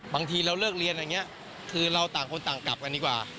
บางทีเราเลิกเรียนอย่างนี้คือเราต่างคนต่างกลับกันดีกว่า